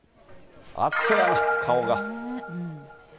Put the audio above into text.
暑いな、顔が。